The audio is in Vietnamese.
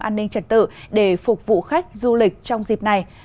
an ninh trật tự để phục vụ khách du lịch trong dịp này